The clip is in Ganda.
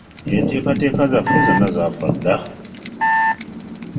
Enteekateeka zaffe zonna zaafa dda.